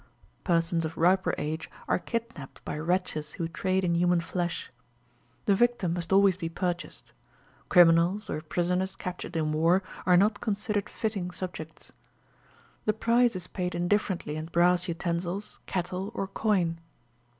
Persons of riper age are kidnapped by wretches who trade in human flesh. The victim must always be purchased. Criminals, or prisoners captured in war, are not considered fitting subjects. The price is paid indifferently in brass utensils, cattle, or coin.